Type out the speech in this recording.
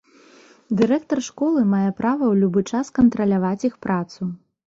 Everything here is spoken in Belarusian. Дырэктар школы мае права ў любы час кантраляваць іх працу.